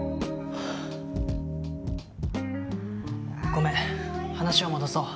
ごめん話を戻そう。